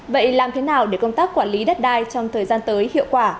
vậy làm thế nào để công tác quản lý đất đai trong thời gian tới hiệu quả